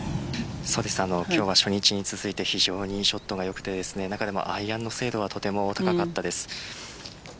今日は初日に続いて非常にショットが良くて中でもアイアンの精度はとても高かったです。